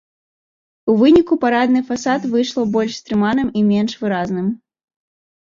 У выніку парадны фасад выйшаў больш стрыманым і менш выразным.